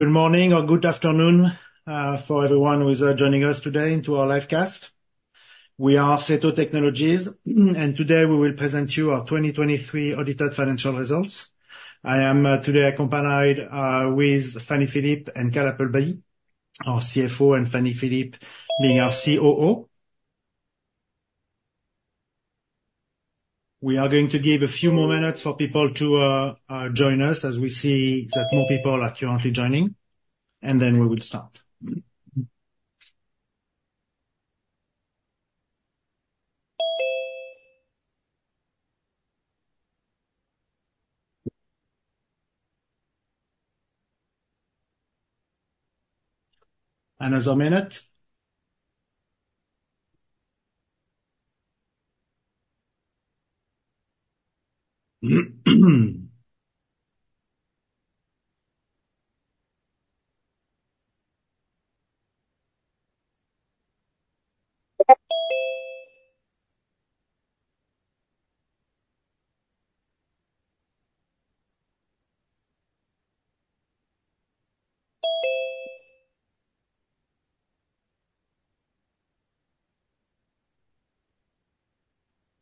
Good morning or good afternoon, for everyone who's joining us today into our live cast. We are SATO Technologies, and today we will present you our 2023 audited financial results. I am today accompanied with Fanny Philip and Kyle Appleby, our CFO, and Fanny Philip being our COO. We are going to give a few more minutes for people to join us as we see that more people are currently joining, and then we will start. Another minute?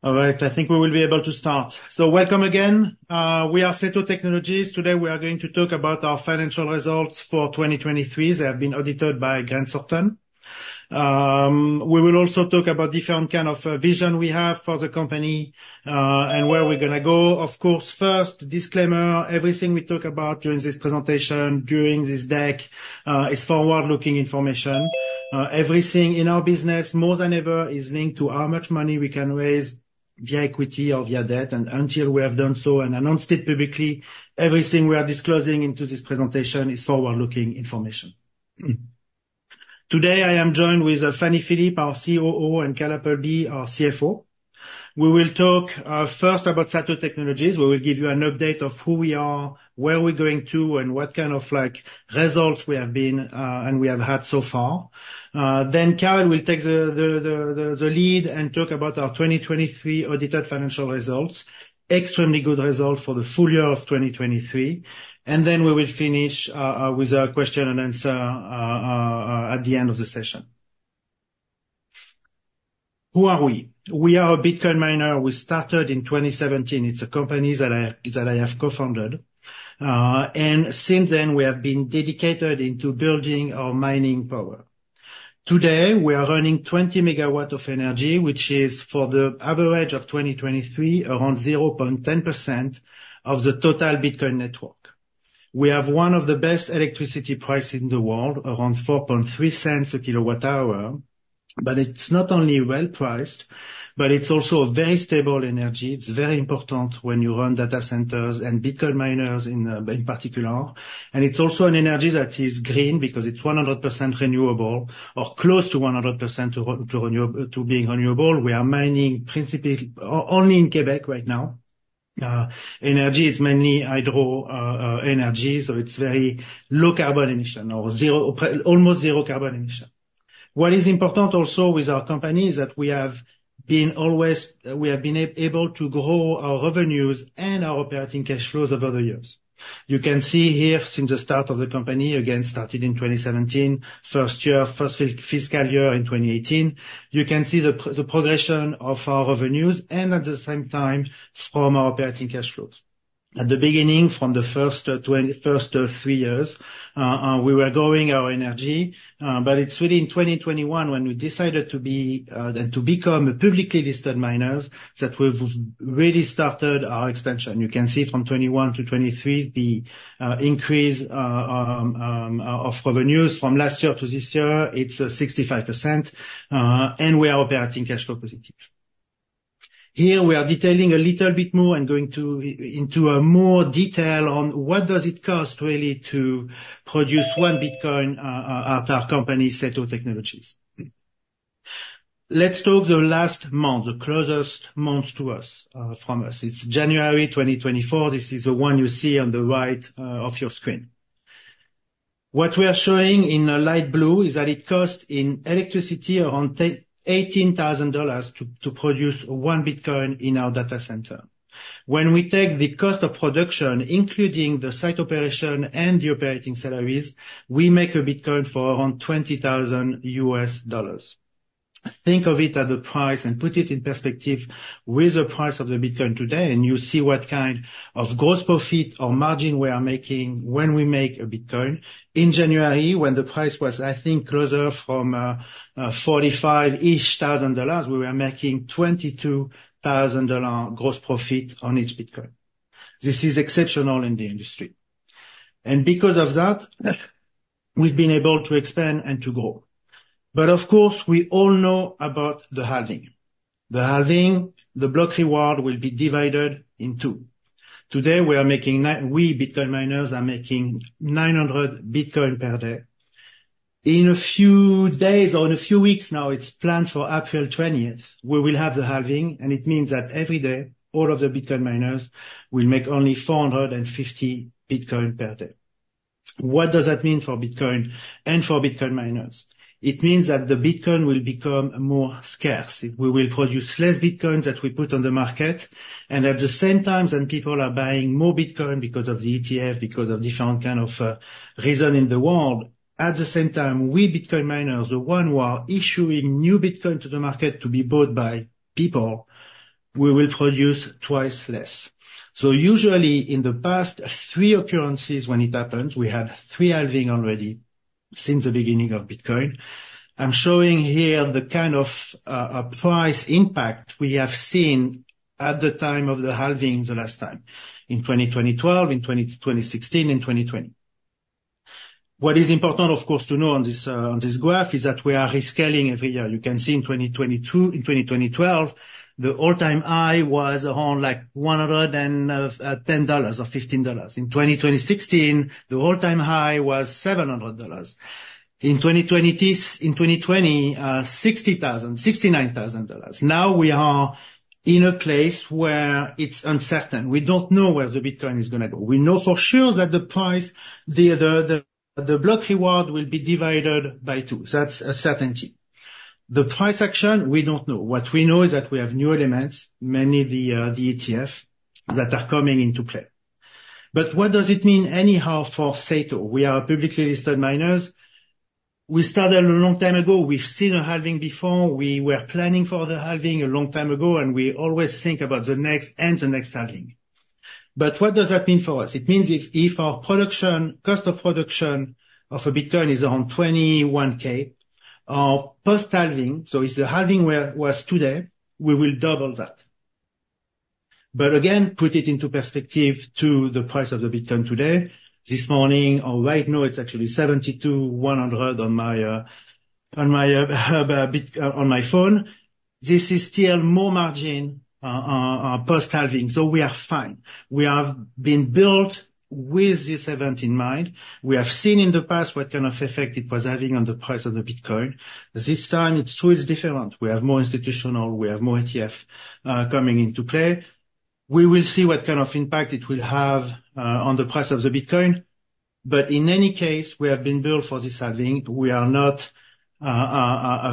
All right, I think we will be able to start. So welcome again. We are SATO Technologies. Today we are going to talk about our financial results for 2023. They have been audited by Grant Thornton. We will also talk about different kind of vision we have for the company, and where we're gonna go. Of course, first, disclaimer: everything we talk about during this presentation, during this deck, is forward-looking information. Everything in our business, more than ever, is linked to how much money we can raise via equity or via debt, and until we have done so and announced it publicly, everything we are disclosing into this presentation is forward-looking information. Today I am joined with Fanny Philip, our COO, and Kyle Appleby, our CFO. We will talk, first about SATO Technologies. We will give you an update of who we are, where we're going to, and what kind of, like, results we have been, and we have had so far. Then Kyle will take the lead and talk about our 2023 audited financial results, extremely good result for the full year of 2023, and then we will finish, with a question and answer, at the end of the session. Who are we? We are a Bitcoin miner. We started in 2017. It's a company that I have co-founded. Since then we have been dedicated into building our mining power. Today we are running 20 MW of energy, which is, for the average of 2023, around 0.10% of the total Bitcoin network. We have one of the best electricity prices in the world, around 0.043/kWh, but it's not only well-priced, but it's also a very stable energy. It's very important when you run data centers and Bitcoin miners in particular. And it's also an energy that is green because it's 100% renewable or close to 100% renewable. We are mining principally only in Quebec right now. Energy is mainly hydro energy, so it's very low carbon emission or zero, practically almost zero carbon emission. What is important also with our company is that we have been always we have been able to grow our revenues and our operating cash flows over the years. You can see here since the start of the company, again, started in 2017, first year, first fiscal year in 2018, you can see the progression of our revenues and at the same time from our operating cash flows. At the beginning, from the first three years, we were growing our energy, but it's really in 2021 when we decided to be and to become publicly listed miners that we've really started our expansion. You can see from 2021 to 2023, the increase of revenues from last year to this year. It's 65%, and we are operating cash flow positive. Here we are detailing a little bit more and going into a more detail on what does it cost, really, to produce one Bitcoin at our company, SATO Technologies. Let's talk the last month, the closest month to us from us. It's January 2024. This is the one you see on the right of your screen. What we are showing in light blue is that it costs in electricity around $18,000 to produce one Bitcoin in our data center. When we take the cost of production, including the site operation and the operating salaries, we make a Bitcoin for around $20,000. Think of it at the price and put it in perspective with the price of the Bitcoin today, and you'll see what kind of gross profit or margin we are making when we make a Bitcoin. In January, when the price was, I think, closer from, $45,000-ish, we were making $22,000 gross profit on each Bitcoin. This is exceptional in the industry. And because of that, we've been able to expand and to grow. But of course, we all know about the halving. The halving, the block reward will be divided in two. Today we are making 9 we Bitcoin miners are making 900 Bitcoin per day. In a few days or in a few weeks now, it's planned for April 20th, we will have the halving, and it means that every day, all of the Bitcoin miners will make only 450 Bitcoin per day. What does that mean for Bitcoin and for Bitcoin miners? It means that the Bitcoin will become more scarce. We will produce less Bitcoins that we put on the market, and at the same time then people are buying more Bitcoin because of the ETF, because of different kind of, reason in the world. At the same time, we Bitcoin miners, the one who are issuing new Bitcoin to the market to be bought by people, we will produce twice less. So usually, in the past three occurrences when it happens, we had three halving already since the beginning of Bitcoin. I'm showing here the kind of, price impact we have seen at the time of the halving the last time, in 2012, in 2020, 2016, and 2020. What is important, of course, to know on this, on this graph is that we are rescaling every year. You can see in 2022, in 2012, the all-time high was around, like, $110 or $15. In 2016, the all-time high was $700. In 2020, $69,000. Now we are in a place where it's uncertain. We don't know where the Bitcoin is gonna go. We know for sure that the price the other, the, the block reward will be divided by two. That's a certainty. The price action, we don't know. What we know is that we have new elements, many the, the ETF, that are coming into play. But what does it mean anyhow for SATO? We are publicly listed miners. We started a long time ago. We've seen a halving before. We were planning for the halving a long time ago, and we always think about the next and the next halving. But what does that mean for us? It means if our production cost of production of a Bitcoin is around $21,000, our post-halving, so if the halving were was today, we will double that. But again, put it into perspective to the price of the Bitcoin today. This morning or right now, it's actually $72,100 on my Bit on my phone. This is still more margin, post-halving, so we are fine. We have been built with this event in mind. We have seen in the past what kind of effect it was having on the price of the Bitcoin. This time it's true, it's different. We have more institutional. We have more ETF coming into play. We will see what kind of impact it will have on the price of the Bitcoin. But in any case, we have been built for this halving. We are not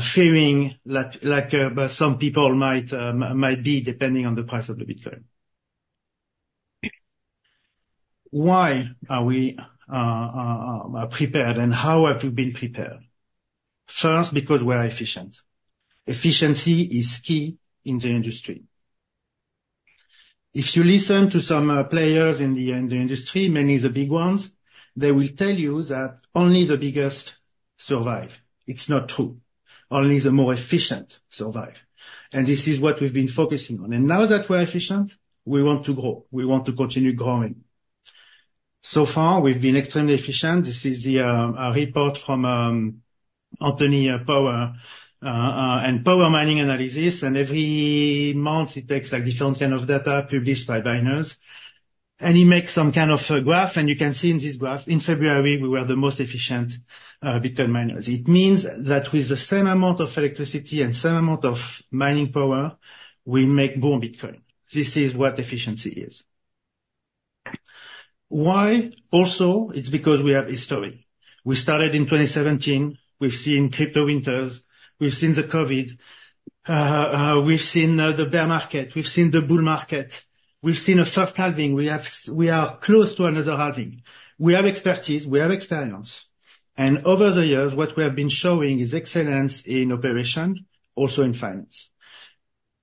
fearing lack, but some people might be depending on the price of the Bitcoin. Why are we prepared, and how have we been prepared? First, because we are efficient. Efficiency is key in the industry. If you listen to some players in the industry, many the big ones, they will tell you that only the biggest survive. It's not true. Only the more efficient survive. And this is what we've been focusing on. And now that we're efficient, we want to grow. We want to continue growing. So far, we've been extremely efficient. This is a report from Anthony Power and Power Mining Analysis, and every month it takes, like, different kind of data published by miners, and he makes some kind of graph, and you can see in this graph, in February, we were the most efficient Bitcoin miners. It means that with the same amount of electricity and same amount of mining power, we make more Bitcoin. This is what efficiency is. Why? Also, it's because we have history. We started in 2017. We've seen crypto winters. We've seen the COVID. We've seen the bear market. We've seen the bull market. We've seen a first halving. We are close to another halving. We have expertise. We have experience. And over the years, what we have been showing is excellence in operation, also in finance,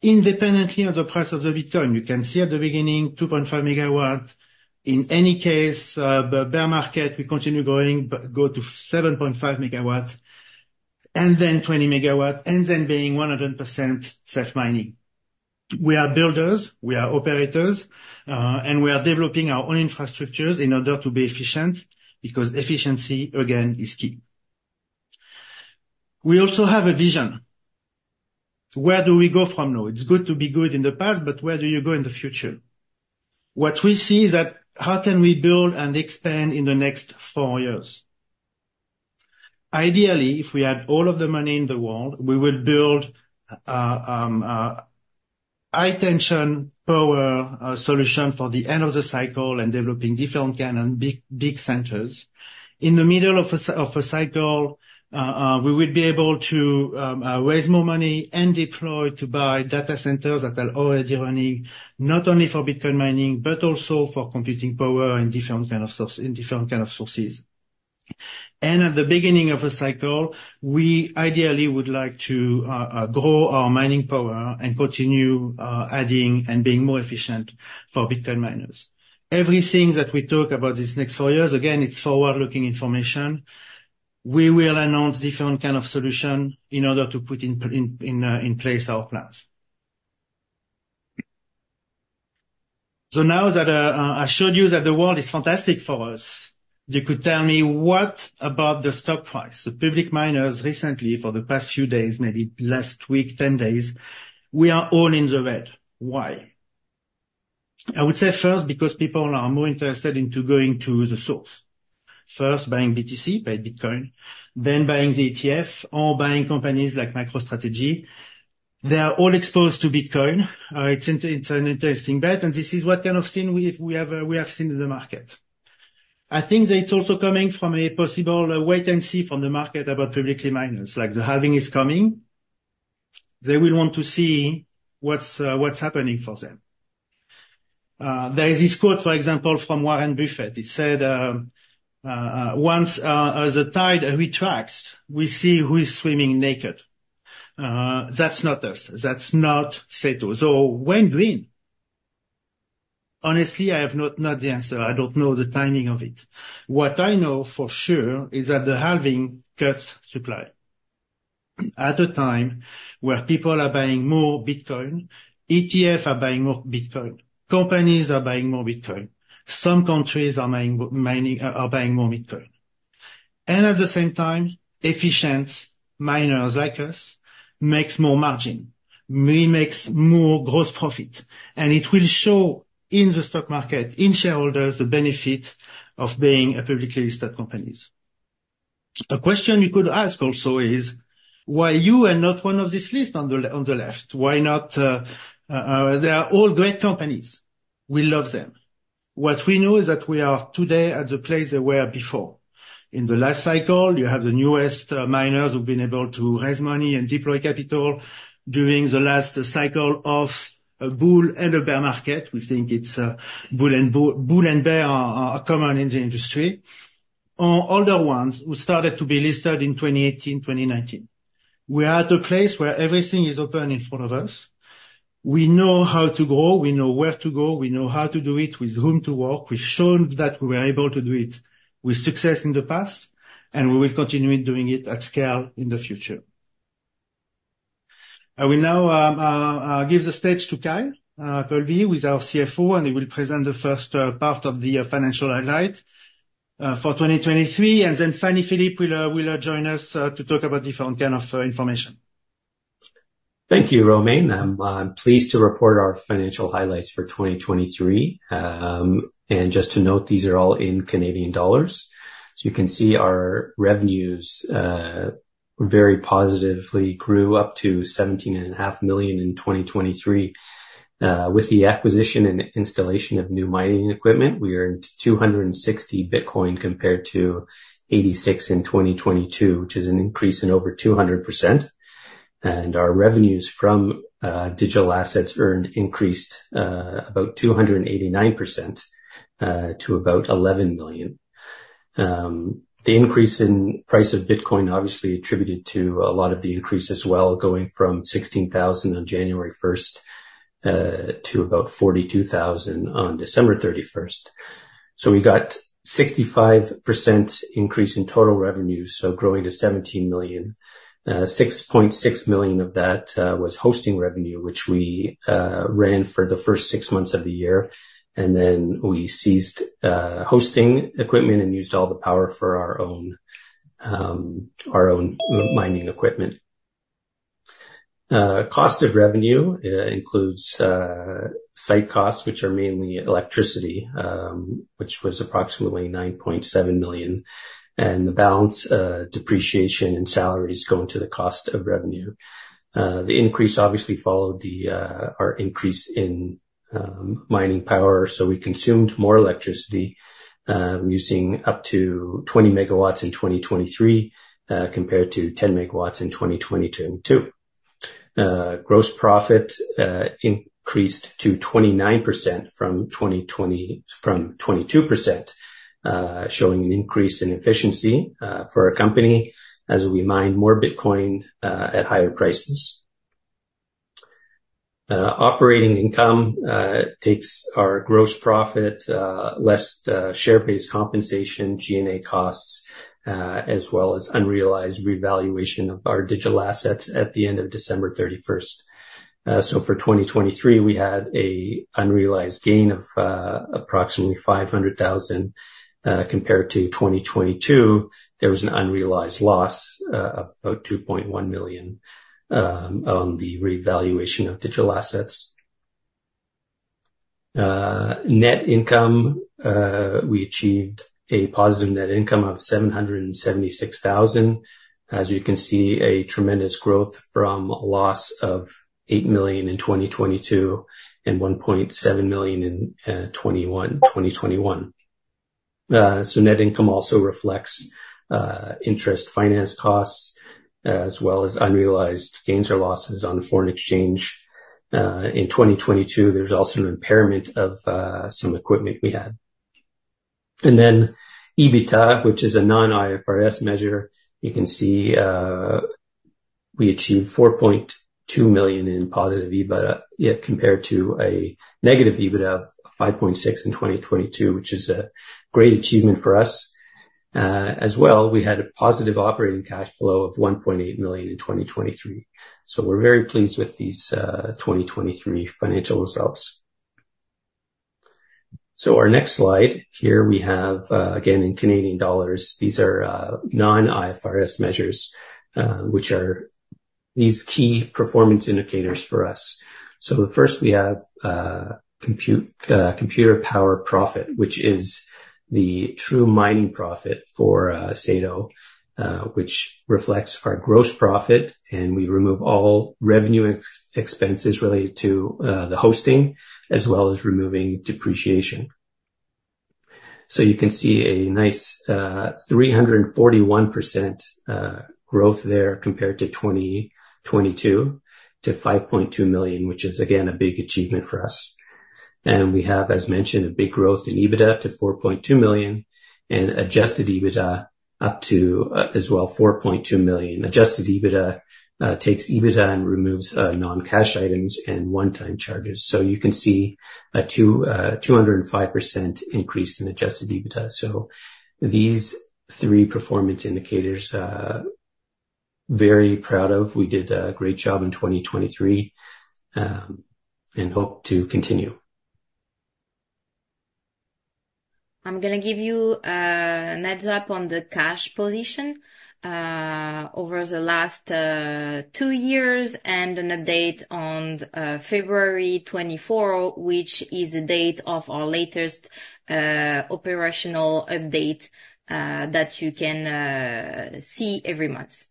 independently of the price of the Bitcoin. You can see at the beginning, 2.5 MW. In any case, bear market, we continue growing, but go to 7.5 MW, and then 20 MW, and then being 100% self-mining. We are builders. We are operators. And we are developing our own infrastructures in order to be efficient because efficiency, again, is key. We also have a vision. Where do we go from now? It's good to be good in the past, but where do you go in the future? What we see is that how can we build and expand in the next four years? Ideally, if we had all of the money in the world, we would build high-tension power solution for the end of the cycle and developing different kind of big, big centers. In the middle of a cycle of a cycle, we would be able to raise more money and deploy to buy data centers that are already running, not only for Bitcoin mining, but also for computing power and different kind of source in different kind of sources. At the beginning of a cycle, we ideally would like to grow our mining power and continue adding and being more efficient for Bitcoin miners. Everything that we talk about these next four years, again, it's forward-looking information. We will announce different kind of solution in order to put in place our plans. So now that I showed you that the world is fantastic for us, you could tell me, what about the stock price? The public miners recently, for the past few days, maybe last week, 10 days, we are all in the red. Why? I would say first because people are more interested in going to the source, first buying BTC, pure Bitcoin, then buying the ETF or buying companies like MicroStrategy. They are all exposed to Bitcoin. It's an interesting bet, and this is what kind of thing we have seen in the market. I think that it's also coming from a possible wait-and-see from the market about public miners. Like, the halving is coming. They will want to see what's, what's happening for them. There is this quote, for example, from Warren Buffett. It said, "Once, the tide retracts, we see who is swimming naked." That's not us. That's not SATO. So when green? Honestly, I have not the answer. I don't know the timing of it. What I know for sure is that the halving cuts supply. At a time where people are buying more Bitcoin, ETF are buying more Bitcoin, companies are buying more Bitcoin, some countries are buying Bitcoin mining, are buying more Bitcoin. And at the same time, efficient miners like us make more margin. Makes more gross profit, and it will show in the stock market, in shareholders, the benefit of being a publicly listed companies. A question you could ask also is, why you are not one of this list on the left? Why not, they are all great companies. We love them. What we know is that we are today at the place they were before. In the last cycle, you have the newest, miners who've been able to raise money and deploy capital during the last cycle of a bull and a bear market. We think it's bull and bear are common in the industry, or older ones who started to be listed in 2018, 2019. We are at a place where everything is open in front of us. We know how to grow. We know where to go. We know how to do it, with whom to work. We've shown that we were able to do it with success in the past, and we will continue doing it at scale in the future. I will now give the stage to Kyle Appleby, our CFO, and he will present the first part of the financial highlight for 2023, and then Fanny Philip will join us to talk about different kind of information. Thank you, Romain. I'm pleased to report our financial highlights for 2023. And just to note, these are all in Canadian dollars. So you can see our revenues very positively grew up to 17.5 million in 2023. With the acquisition and installation of new mining equipment, we earned 260 Bitcoin compared to 86 in 2022, which is an increase in over 200%. And our revenues from digital assets earned increased about 289% to about 11 million. The increase in price of Bitcoin, obviously, attributed to a lot of the increase as well, going from $16,000 on January 1st to about $42,000 on December 31st. So we got 65% increase in total revenues, so growing to 17 million. 6.6 million of that was hosting revenue, which we ran for the first six months of the year, and then we ceased hosting equipment and used all the power for our own mining equipment. Cost of revenue includes site costs, which are mainly electricity, which was approximately 9.7 million, and the balance, depreciation and salaries going to the cost of revenue. The increase obviously followed our increase in mining power, so we consumed more electricity, using up to 20 MW in 2023, compared to 10 MW in 2022. Gross profit increased to 29% from 2020 from 22%, showing an increase in efficiency for our company as we mine more Bitcoin at higher prices. Operating income takes our gross profit, less share-based compensation, G&A costs, as well as unrealized revaluation of our digital assets at the end of December 31st. So for 2023, we had an unrealized gain of approximately 500,000, compared to 2022. There was an unrealized loss of about 2.1 million on the revaluation of digital assets. Net income, we achieved a positive net income of 776,000. As you can see, a tremendous growth from a loss of 8 million in 2022 and 1.7 million in 2021. So net income also reflects interest finance costs, as well as unrealized gains or losses on foreign exchange. In 2022, there's also an impairment of some equipment we had. And then EBITDA, which is a non-IFRS measure, you can see, we achieved 4.2 million in positive EBITDA yet compared to a negative EBITDA of 5.6 million in 2022, which is a great achievement for us. As well, we had a positive operating cash flow of 1.8 million in 2023. So we're very pleased with these 2023 financial results. So our next slide here, we have, again, in Canadian dollars, these are non-IFRS measures, which are these key performance indicators for us. So first, we have Compute Power Profit, which is the true mining profit for SATO, which reflects our gross profit, and we remove all revenue expenses related to the hosting, as well as removing depreciation. So you can see a nice 341% growth there compared to 2022 to 5.2 million, which is, again, a big achievement for us. And we have, as mentioned, a big growth in EBITDA to 4.2 million and Adjusted EBITDA up to, as well, 4.2 million. Adjusted EBITDA takes EBITDA and removes non-cash items and one-time charges. So you can see a 205% increase in Adjusted EBITDA. So these three performance indicators, very proud of. We did a great job in 2023, and hope to continue. I'm going to give you a nudge up on the cash position over the last two years and an update on February 24, which is the date of our latest operational update that you can see every month.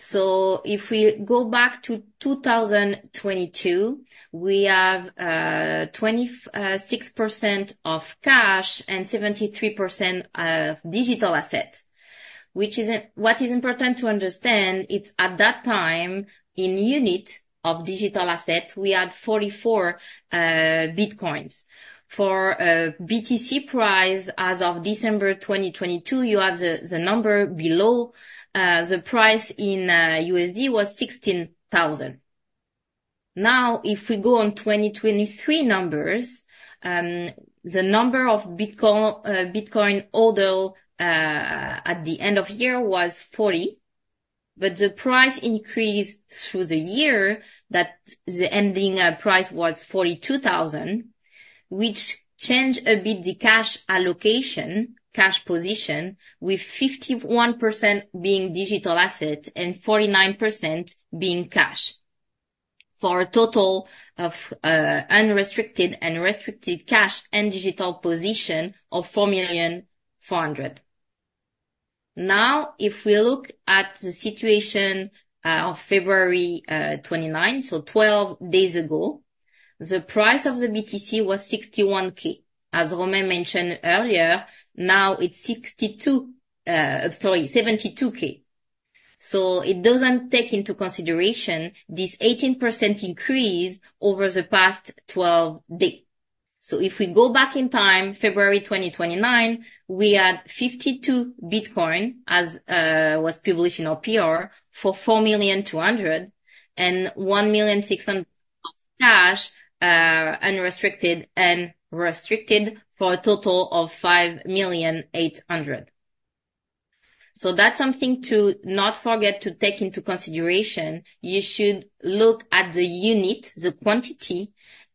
So if we go back to 2022, we have 26% of cash and 73% of digital assets, which isn't what is important to understand; it's at that time, in unit of digital assets, we had 44 Bitcoins. For a BTC price as of December 2022, you have the number below. The price in USD was $16,000. Now, if we go on 2023 numbers, the number of Bitcoin, Bitcoin order, at the end of year was 40, but the price increase through the year, that the ending price was $42,000, which changed a bit the cash allocation, cash position, with 51% being digital assets and 49% being cash for a total of unrestricted and restricted cash and digital position of 4,400,000. Now, if we look at the situation of February 29, so 12 days ago, the price of the BTC was $61,000. As Romain mentioned earlier, now it's $72,000. So it doesn't take into consideration this 18% increase over the past 12 days. So if we go back in time, February 2024, we had 52 Bitcoin, as was published in our PR, for 4,200,000 and 1,600,000 of cash, unrestricted and restricted for a total of 5,800,000. So that's something to not forget to take into consideration. You should look at the unit, the quantity,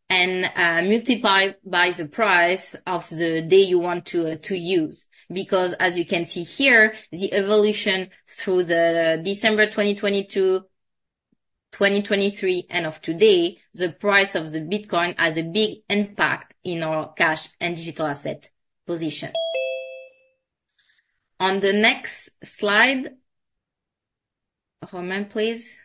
and multiply by the price of the day you want to use. Because, as you can see here, the evolution through December 2022, 2023, and of today, the price of Bitcoin has a big impact in our cash and digital asset position. On the next slide, Romain, please.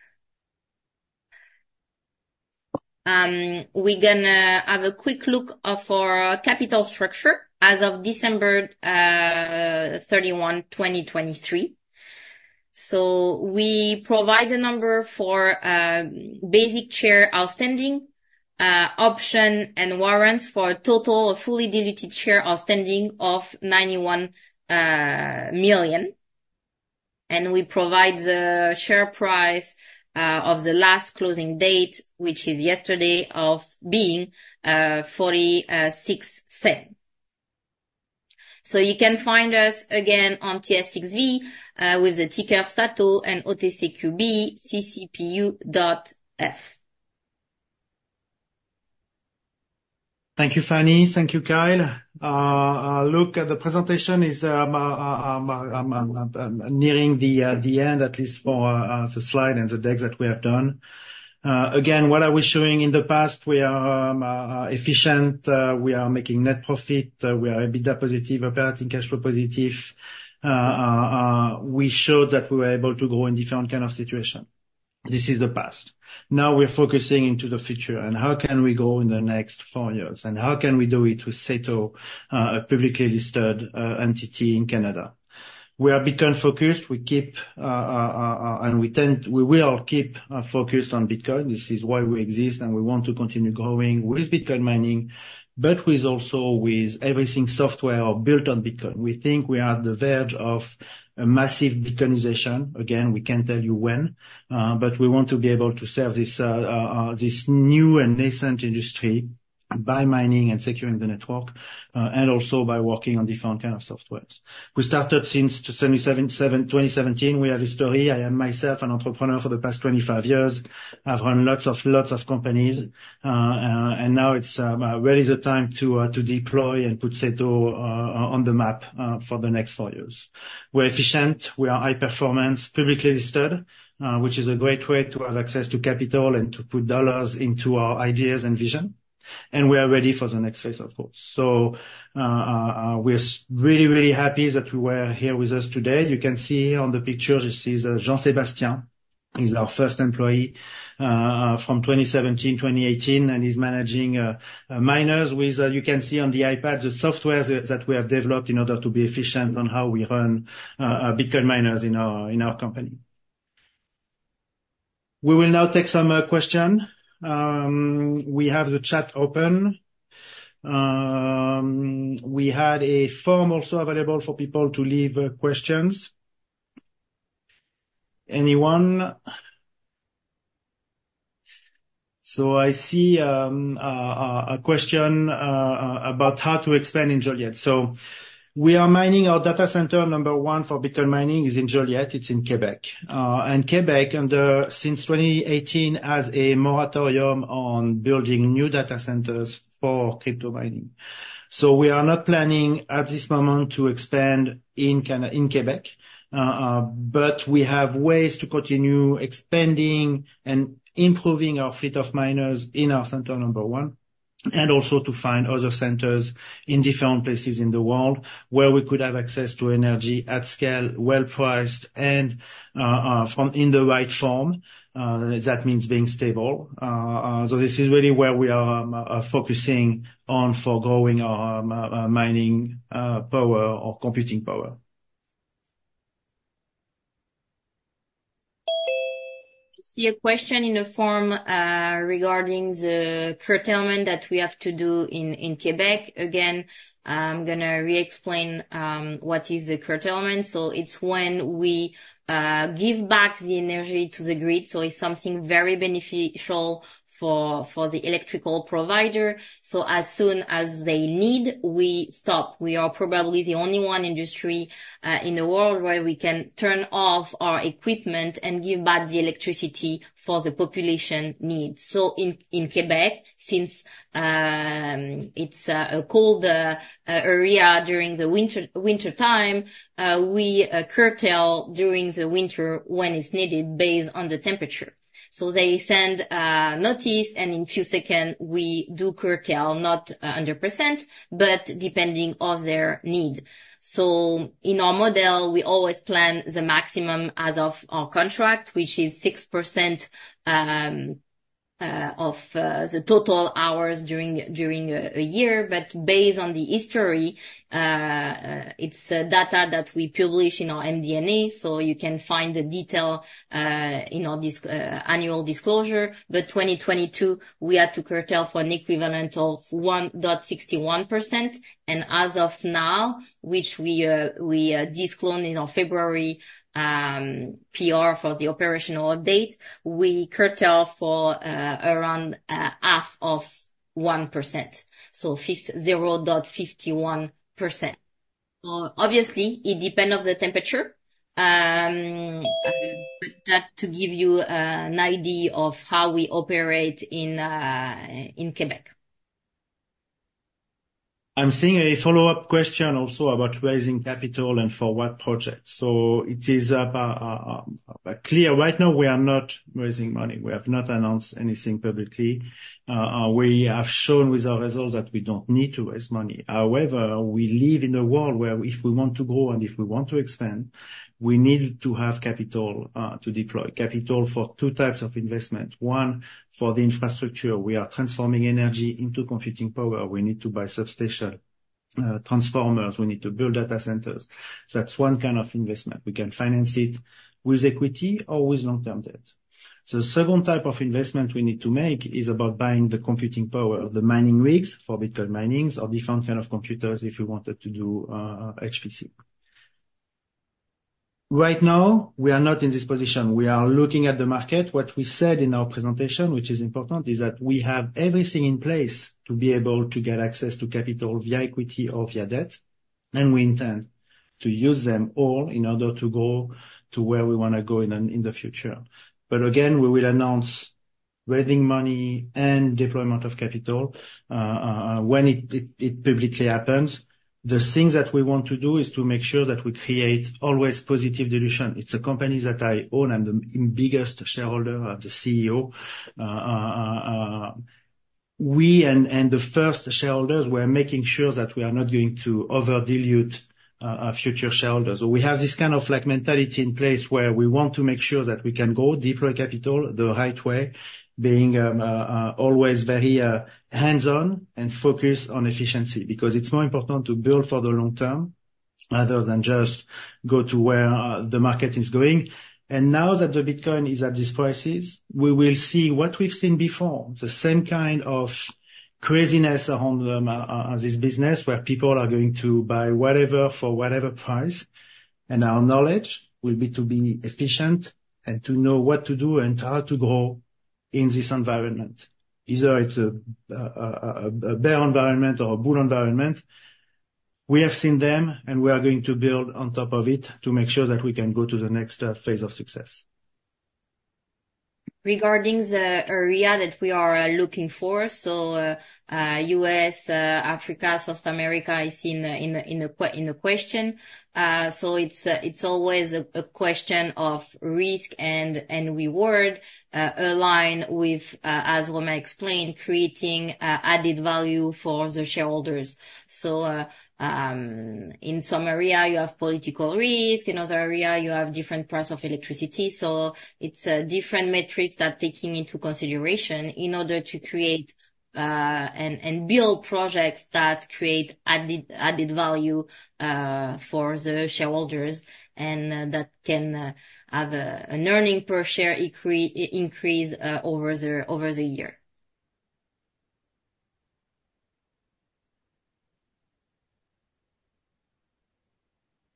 We're going to have a quick look at our capital structure as of December 31, 2023. So we provide a number for basic shares outstanding, options, and warrants for a total of fully diluted shares outstanding of 91 million. And we provide the share price of the last closing date, which is yesterday, of being 46 cents. So you can find us again on TSX-V, with the ticker SATO and OTCQB:CCPUF. Thank you, Fanny. Thank you, Kyle. Look, the presentation is nearing the end, at least for the slide and the deck that we have done. Again, what are we showing? In the past, we are efficient. We are making net profit. We are EBITDA positive, operating cash flow positive. We showed that we were able to grow in different kind of situation. This is the past. Now we're focusing into the future. How can we grow in the next four years? How can we do it with SATO, a publicly listed entity in Canada? We are Bitcoin-focused. We keep, and we tend we will keep, focused on Bitcoin. This is why we exist, and we want to continue growing with Bitcoin mining, but with also with everything software built on Bitcoin. We think we are at the verge of a massive Bitcoinization. Again, we can't tell you when, but we want to be able to serve this, this new and nascent industry by mining and securing the network, and also by working on different kind of software. We started since 2017. We have history. I am myself an entrepreneur for the past 25 years. I've run lots of, lots of companies. And now it's really the time to deploy and put SATO on the map for the next four years. We're efficient. We are high-performance, publicly listed, which is a great way to have access to capital and to put dollars into our ideas and vision. And we are ready for the next phase, of course. We're really, really happy that you were here with us today. You can see here on the picture, you see Jean-Sébastien. He's our first employee, from 2017, 2018, and he's managing miners with, you can see on the iPad, the software that we have developed in order to be efficient on how we run Bitcoin miners in our, in our company. We will now take some questions. We have the chat open. We had a form also available for people to leave questions. Anyone? So I see a question about how to expand in Joliette. So we are mining our data center. Number one for Bitcoin mining is in Joliette. It's in Québec. And Québec, since 2018, has a moratorium on building new data centers for crypto mining. We are not planning at this moment to expand in Canada, in Quebec, but we have ways to continue expanding and improving our fleet of miners in our center, number one, and also to find other centers in different places in the world where we could have access to energy at scale, well-priced, and from in the right form. That means being stable. This is really where we are focusing on for growing our mining power or computing power. I see a question in the form regarding the curtailment that we have to do in Québec. Again, I'm going to re-explain what is the curtailment. So it's when we give back the energy to the grid. So it's something very beneficial for the electrical provider. So as soon as they need, we stop. We are probably the only one industry in the world where we can turn off our equipment and give back the electricity for the population needs. So in Québec, since it's a cold area during the winter time, we curtail during the winter when it's needed based on the temperature. So they send notice, and in a few seconds, we do curtail, not 100%, but depending on their need. So in our model, we always plan the maximum as of our contract, which is 6% of the total hours during a year. But based on the history, it's data that we publish in our MD&A. So you can find the detail in our SEDAR annual disclosure. But 2022, we had to curtail for an equivalent of 1.61%. And as of now, which we disclosed in our February PR for the operational update, we curtail for around 0.5%, so 0.51%. So obviously, it depends on the temperature, but that's to give you an idea of how we operate in Québec. I'm seeing a follow-up question also about raising capital and for what projects. So, it is clear right now, we are not raising money. We have not announced anything publicly. We have shown with our results that we don't need to raise money. However, we live in a world where if we want to grow and if we want to expand, we need to have capital, to deploy capital for two types of investment. One, for the infrastructure, we are transforming energy into computing power. We need to buy substations, transformers. We need to build data centers. That's one kind of investment. We can finance it with equity or with long-term debt. So the second type of investment we need to make is about buying the computing power, the mining rigs for Bitcoin mining or different kind of computers if you wanted to do, HPC. Right now, we are not in this position. We are looking at the market. What we said in our presentation, which is important, is that we have everything in place to be able to get access to capital via equity or via debt. And we intend to use them all in order to go to where we want to go in the future. But again, we will announce raising money and deployment of capital, when it publicly happens. The things that we want to do is to make sure that we create always positive dilution. It's a company that I own. I'm the biggest shareholder of the CEO. We and the first shareholders, we are making sure that we are not going to over-dilute future shareholders. So we have this kind of like mentality in place where we want to make sure that we can go deploy capital the right way, being always very hands-on and focused on efficiency because it's more important to build for the long term rather than just go to where the market is going. And now that the Bitcoin is at these prices, we will see what we've seen before, the same kind of craziness around this business where people are going to buy whatever for whatever price. And our knowledge will be to be efficient and to know what to do and how to grow in this environment, either it's a bear environment or a bull environment. We have seen them, and we are going to build on top of it to make sure that we can go to the next phase of success. Regarding the area that we are looking for, so, U.S., Africa, South America is in the question. So it's always a question of risk and reward, aligned with, as Romain explained, creating added value for the shareholders. So, in some area, you have political risk. In other area, you have different price of electricity. So it's a different metrics that are taken into consideration in order to create and build projects that create added value for the shareholders and that can have an earning per share increase, over the year.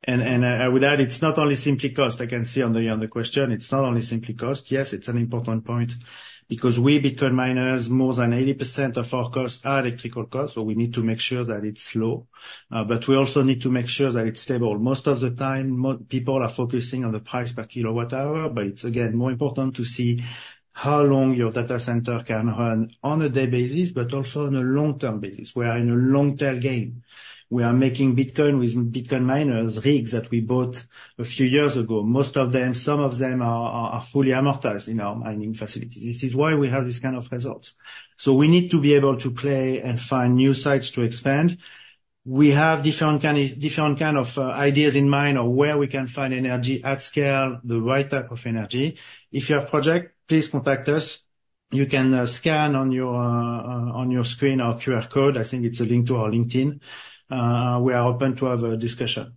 With that, it's not only simply cost. I can see on the, on the question, it's not only simply cost. Yes, it's an important point because we, Bitcoin miners, more than 80% of our costs are electrical costs. So we need to make sure that it's low, but we also need to make sure that it's stable. Most of the time, most people are focusing on the price per kilowatt-hour. But it's, again, more important to see how long your data center can run on a day basis, but also on a long-term basis. We are in a long-tail game. We are making Bitcoin with Bitcoin miners, rigs that we bought a few years ago. Most of them, some of them are fully amortized in our mining facilities. This is why we have these kind of results. So we need to be able to play and find new sites to expand. We have different kind of, different kind of ideas in mind of where we can find energy at scale, the right type of energy. If you have a project, please contact us. You can scan on your, on your screen our QR code. I think it's a link to our LinkedIn. We are open to have a discussion.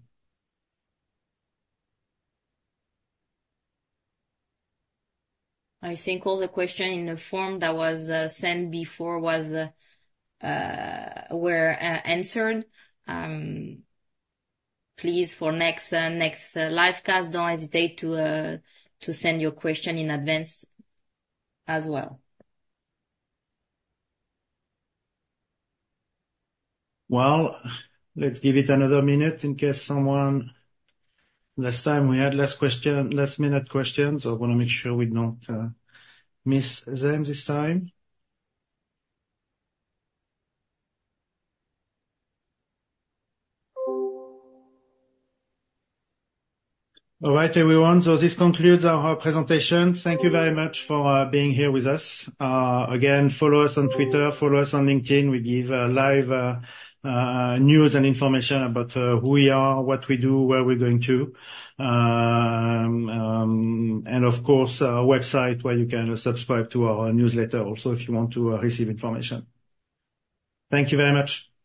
I think all the questions in the form that was sent before were answered. Please, for the next live cast, don't hesitate to send your question in advance as well. Well, let's give it another minute in case someone. Last time, we had last-minute questions. I want to make sure we don't miss them this time. All right, everyone. So this concludes our presentation. Thank you very much for being here with us. Again, follow us on Twitter, follow us on LinkedIn. We give live news and information about who we are, what we do, where we're going to. And of course, our website where you can subscribe to our newsletter also if you want to receive information. Thank you very much.